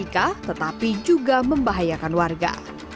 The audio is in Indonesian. ini merusak estetika tetapi juga membahayakan warga